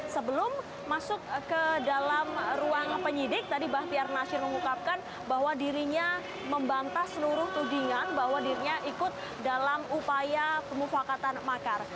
sebelum masuk ke dalam ruang penyidik tadi bahtiar nasir mengungkapkan bahwa dirinya membantah seluruh tudingan bahwa dirinya ikut dalam upaya pemufakatan makar